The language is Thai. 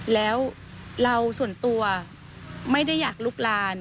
แล้วเราส่วนตัวไม่ได้อยากลุกลาน